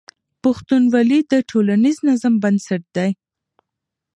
پښتونولي د ټولنیز نظم بنسټ دی.